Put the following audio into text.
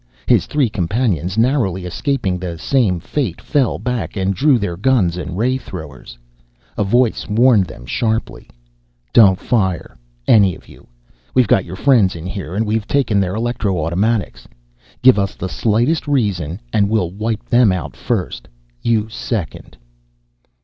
His three companions, narrowly escaping the same fate, fell back and drew their guns and ray throwers. A voice warned them sharply: "Don't fire, any of you. We've got your friends in here, and we've taken their electro automatics. Give us the slightest reason, and we'll wipe them out first you second."